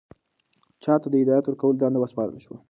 چا ته د هدایت ورکولو دنده وسپارل شوه؟